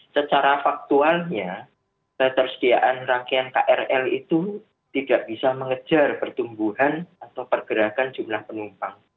secara faktualnya ketersediaan rangkaian krl itu tidak bisa mengejar pertumbuhan atau pergerakan jumlah penumpang